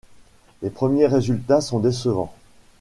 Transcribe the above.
Les premiers résultats sont décevants.